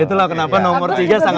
itulah kenapa nomor tiga sangat